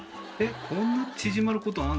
こんな縮まることある？